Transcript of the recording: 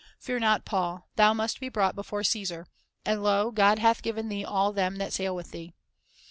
Fear not, Paul; thou must be brought before Caesar; and, lo, God hath given thee all them that sail with thee."